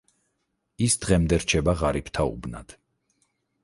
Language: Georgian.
ის დღემდე რჩება ღარიბთა უბნად.